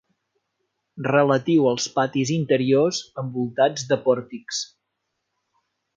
Relatiu als patis interiors envoltats de pòrtics.